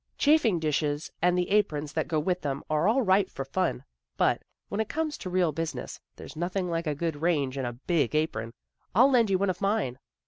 " Chafing dishes and the aprons that go with them are all right for fun, but, when it comes to real business, there's nothing like a good range and a big apron. I'll lend you one of mine."